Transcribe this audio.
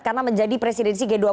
karena menjadi presidensi g dua puluh